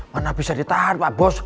mana bisa ditahan pak bos